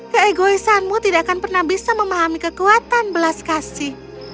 keegoisanmu tidak akan pernah bisa memahami kekuatan belas kasih